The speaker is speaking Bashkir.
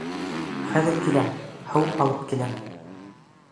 — Хәҙер киләм, һыу алып киләм.